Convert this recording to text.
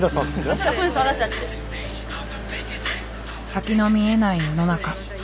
先の見えない世の中。